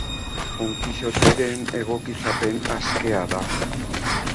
On Kixoteren egokitzapen askea da.